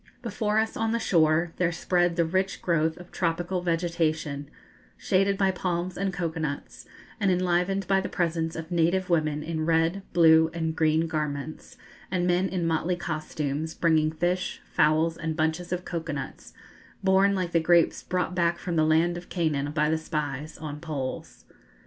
Before us, on the shore, there spread the rich growth of tropical vegetation, shaded by palms and cocoa nuts, and enlivened by the presence of native women in red, blue, and green garments, and men in motley costumes, bringing fish, fowls, and bunches of cocoa nuts, borne, like the grapes brought back from the land of Canaan by the spies, on poles.